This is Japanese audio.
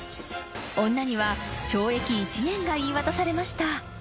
［女には懲役１年が言い渡されました］